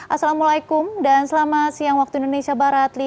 assalamualaikum dan selamat siang waktu indonesia barat